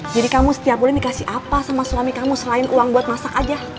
jadi kamu setiap bulan dikasih apa sama suami kamu selain uang buat masak aja